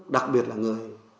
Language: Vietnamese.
đặc biệt là người